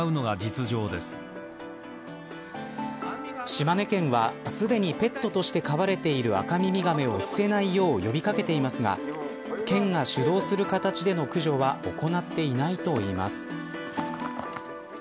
島根県は、すでにペットとして飼われているアカミミガメを捨てないよう呼び掛けていますが県が主導する形での駆除は行っていないといいます。